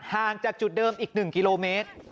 ห่างจากจุดเดิมอีก๑กิโลเมตร